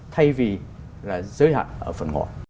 thay vì là giới hạn ở phần ngoại